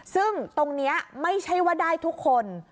ซึ่งตรงนี้ไม่ใช่ว่าได้ทุกคน